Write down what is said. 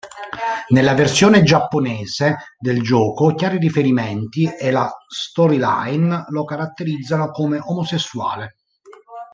Nella versione giapponese del gioco chiari riferimenti e la storyline lo caratterizzano come omosessuale.